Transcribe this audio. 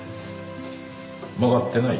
曲がってない？